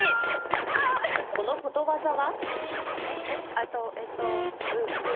このことわざは？